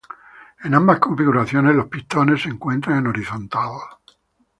En ambas configuraciones, los pistones se encuentran en horizontal.